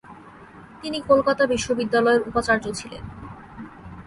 তিনি কলকাতা বিশ্ববিদ্যালয়ের উপাচার্য ছিলেন।